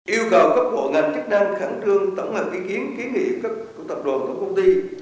yêu cầu các hộ ngành chức năng khẳng trương tổng hợp ý kiến ký nghị các tập đồ của các công ty